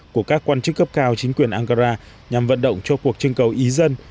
của các quan chức cấp cao chính quyền ankara nhằm vận động cho cuộc trưng cầu ý dân